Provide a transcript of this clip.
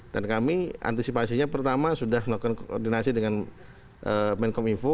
dan kami antispasinya pertama sudah melakukan koordinasi dengan menkom info